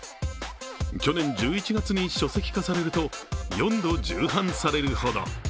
去年１１月に書籍化されると、４度重版されるほど。